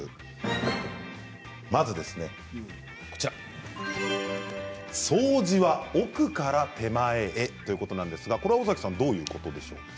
まず掃除は奥から手前へということなんですがどういうことですか？